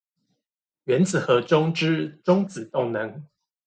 原子核中之中子動能